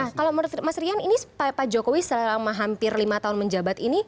nah kalau menurut mas rian ini pak jokowi selama hampir lima tahun menjabat ini